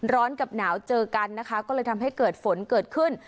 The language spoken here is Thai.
กับหนาวเจอกันนะคะก็เลยทำให้เกิดฝนเกิดขึ้น